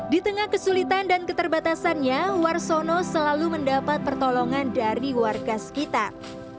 di tengah kesulitan dan keterbatasannya warsono selalu mendapat pertolongan dari warga sekitar